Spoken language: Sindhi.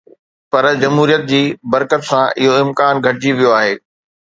پر جمهوريت جي برڪت سان اهو امڪان گهٽجي ويو آهي.